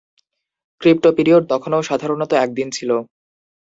Cryptoperiod তখনও সাধারণত একদিন ছিল।